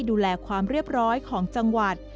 ดูแลความเรียบร้อยของจังหวัด